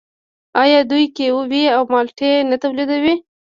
آیا دوی کیوي او مالټې نه تولیدوي؟